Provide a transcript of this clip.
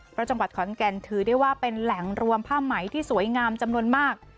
เพราะจังหวัดขอนแก่นถือได้ว่าเป็นแหล่งรวมผ้าไหมที่สวยงามจำนวนมาก